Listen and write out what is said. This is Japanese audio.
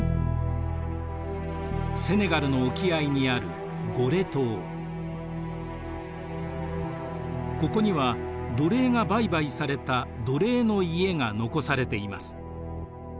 セネガルの沖合にあるここには奴隷が売買された奴隷の家が残されています。